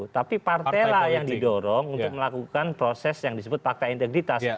tapi partai lah yang didorong untuk melakukan proses yang disebut fakta integritas